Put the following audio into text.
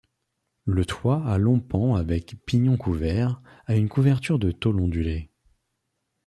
Le toit à longs pans avec pignon couvert, a une couverture de tôle ondulée.